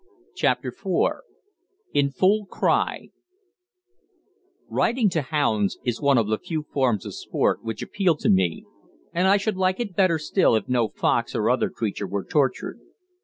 CHAPTER IV IN FULL CRY Riding to hounds is one of the few forms of sport which appeal to me, and I should like it better still if no fox or other creature were tortured.